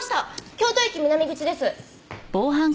京都駅南口です。